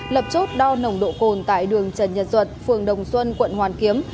lập chốt đo nồng độ cồn tại đường trần nhật duật phường đồng xuân quận hoàn kiếm